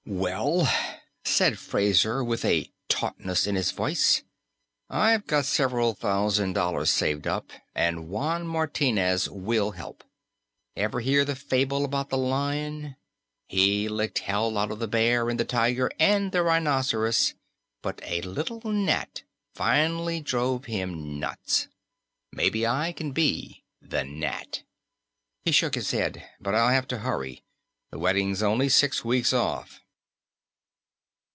"Well," said Fraser with a tautness in his voice, "I've got several thousand dollars saved up, and Juan Martinez will help. Ever hear the fable about the lion? He licked hell out of the bear and the tiger and the rhinoceros, but a little gnat finally drove him nuts. Maybe I can be the gnat." He shook his head. "But I'll have to hurry. The wedding's only six weeks off."